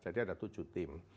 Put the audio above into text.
jadi ada tujuh tim